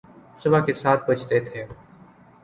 صبح کے سات بجتے تھے۔